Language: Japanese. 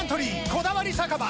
「こだわり酒場